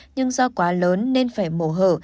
nhưng do quá lớn nên phải mổ hở